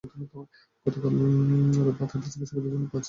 গতকাল রোববার তাঁদের জিজ্ঞাসাবাদের জন্য পাঁচ দিন করে রিমান্ডে নেওয়া হয়েছে।